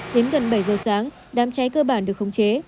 đến gần bảy giờ sáng đám cháy cơ bản được khống chế